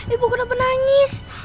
ibu kenapa nangis